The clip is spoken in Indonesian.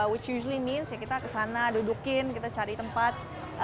which usually means kita kesana dudukin kita cari tempat